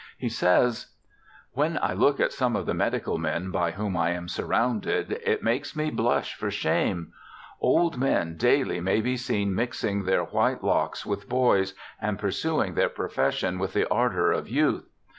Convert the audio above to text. He says :' When I look at some of the medical men by whom I am surrounded, it makes me blush for shame ; old men daily may be seen mixing their white locks with boys, and pursuing their profession with the ardour of youth.